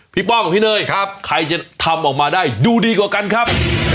ป้องพี่เนยครับใครจะทำออกมาได้ดูดีกว่ากันครับ